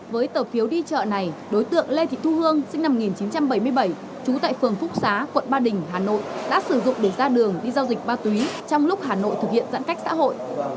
với tờ phiếu đi chợ này đối tượng lê thị thu hương sinh năm một nghìn chín trăm bảy mươi bảy trú tại phường phúc xá quận ba đình hà nội đã sử dụng để ra đường đi giao dịch ma túy trong lúc hà nội thực hiện giãn cách xã hội